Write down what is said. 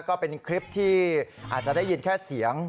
ก็เป็นคลิปที่อาจจะได้ยินแค่เสียง